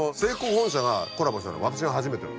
本社がコラボしたの私が初めてなの。